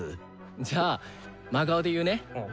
じゃあ真顔で言うね。